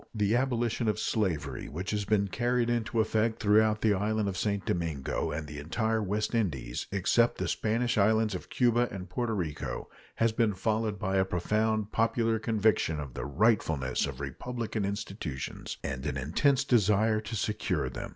The abolition of slavery, which has been carried into effect throughout the island of St. Domingo and the entire West Indies, except the Spanish islands of Cuba and Porto Rico, has been followed by a profound popular conviction of the rightfulness of republican institutions and an intense desire to secure them.